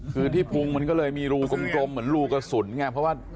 คือที่พุงมันก็เลยมีรูกลมเหมือนรูกระสุนไงเพราะว่า